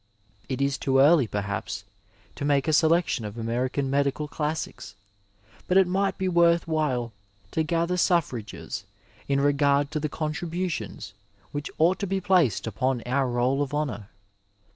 It is too early, perhaps, to make a selection of American medical classics, but it might be worth while to gather suffrages in regard to the contributions which ought to be placed upon our Roll of Honour.